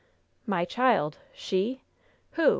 "My child! 'She?' Who?"